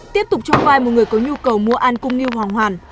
tiếp tục trong vai một người có nhu cầu mua ăn cung niu hoàng hoàn